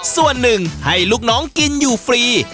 ส่วนหนึ่งให้ลูกน้องกินอยู่ฟรี